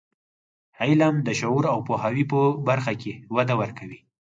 علم د شعور او پوهاوي په برخه کې وده ورکوي.